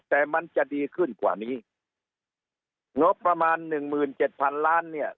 แต่มันจะดีขึ้นกว่านี้งบประมาณหนึ่งหมื่นเจ็ดพันล้านเนี่ย